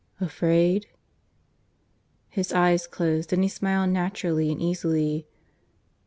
"Afraid?" His eyes closed, and he smiled naturally and easily.